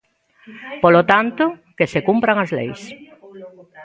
Polo tanto, que se cumpran as leis.